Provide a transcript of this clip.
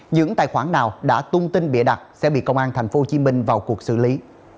những tài khoản nào đã tung tin bịa đặt sẽ bị công an tp hcm vào cuộc xử lý